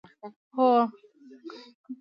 هو.